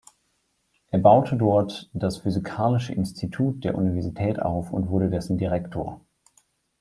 Er baute dort das Physikalische Institut der Universität auf und wurde dessen Direktor.